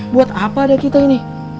buat apa deh kita ini